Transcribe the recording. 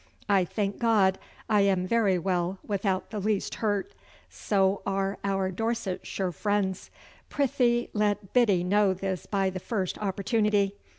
I thank God I am very well without the least hurt, soe are our Dorsetshire friends. Prythee let Biddy know this by the first opportunity.